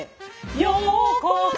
「ようこそ」